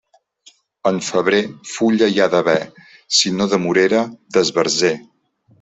En febrer, fulla hi ha d'haver; si no de morera, d'esbarzer.